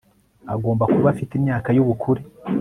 agomba kuba afite imyaka y ubukure